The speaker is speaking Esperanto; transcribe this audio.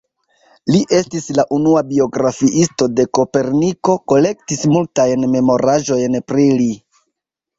Li estis la unua biografiisto de Koperniko, kolektis multajn memoraĵojn pri li.